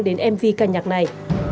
đến mv ca nhạc này